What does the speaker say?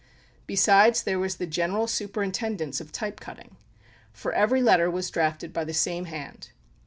Besides, there was the general superintendence of type cutting; for every letter was drafted by the same hand.